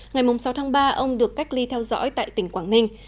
ngày sáu tháng ba ông được cách ly theo dõi tại tỉnh quảng ninh